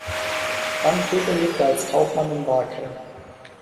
Landgrebe lebte als Kaufmann in Vaake.